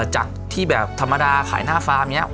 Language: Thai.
จากที่แบบธรรมดาขายหน้าฟาร์มเนี่ย